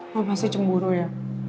lo pasti cemburu ya